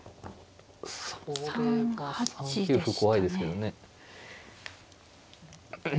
それは３九歩怖いですけどね。